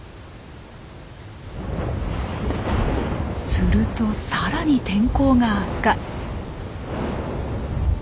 するとさらに天候が悪化。